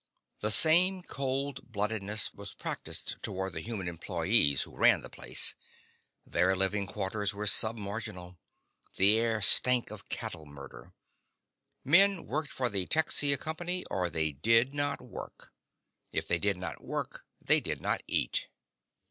The same cold bloodedness was practised toward the human employees who ran the place. Their living quarters were sub marginal. The air stank of cattle murder. Men worked for the Texia Company or they did not work. If they did not work they did not eat.